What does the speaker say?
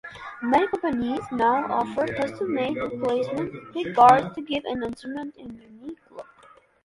Many companies now offer custom-made replacement pickguards to give an instrument a unique look.